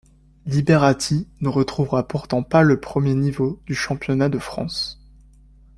Libérati ne retrouvera pourtant pas le premier niveau du championnat de France.